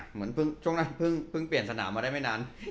เหมือนเพิ่งช่วงนั้นเพิ่งเปลี่ยนสนามมาได้ไม่นาน